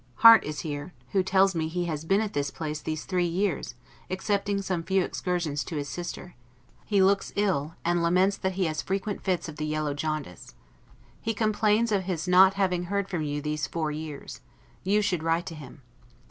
Harte is here, who tells me he has been at this place these three years, excepting some few excursions to his sister; he looks ill, and laments that he has frequent fits of the yellow jaundice. He complains of his not having heard from you these four years; you should write to him.